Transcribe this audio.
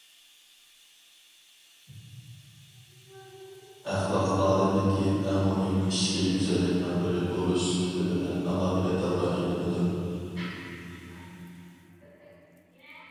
ئەخلاق ئادەمدىكى ئەڭ مۇھىم ئىچكى گۈزەللىكنىڭ بىرى بولۇش سۈپىتى بىلەن ئالاھىدە تىلغا ئېلىنىدۇ.